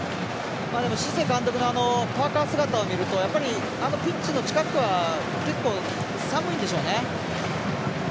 シセ監督のパーカー姿を見ると、あのピッチの近くは結構、寒いんでしょうね。